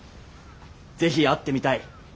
「是非会ってみたい。